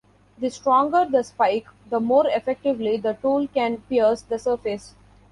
The stronger the spike, the more effectively the tool can pierce the surface.